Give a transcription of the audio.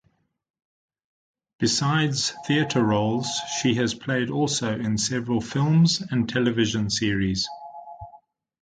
Besides theatre roles she has played also in several films and television series.